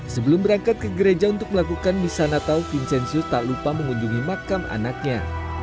sebelum berangkat ke gereja untuk melakukan misa natal vincenzius tak lupa mengunjungi makam anaknya